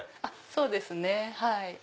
そうですね。